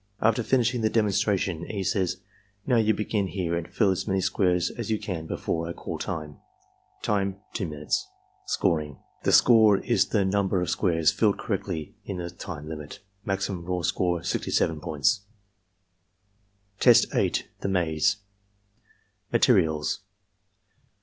After finishing the demonstration, E. says: ''Now, you begin here arid fill as many squares as you can before I caU time.'' Time, 2 minutes. Scoring. — The score is the number of squares filled correctly in the time limit. Maximum raw score, 67 points. Test 8.— The Maze Maierials.